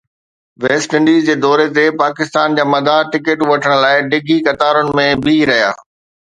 west Indies جي دوري تي پاڪستان جا مداح ٽڪيٽون وٺڻ لاءِ ڊگهين قطارن ۾ بيهي رهيا